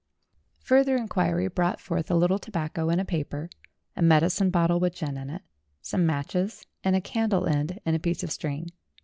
Further inquiry brought forth a little tobacco in a paper, a medicine bottle with gin in it, some matches and a candle end, and a piece of string.